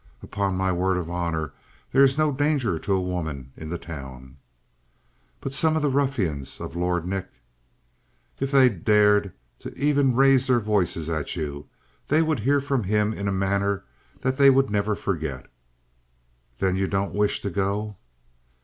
"Upon my word of honor there is no danger to a woman in the town." "But some of the ruffians of Lord Nick " "If they dared to even raise their voices at you, they would hear from him in a manner that they would never forget." "Then you don't wish to go?"